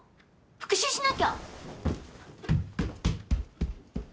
復習しなきゃ！